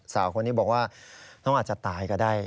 สาวคนนี้บอกว่าน้องอาจจะตายก็ได้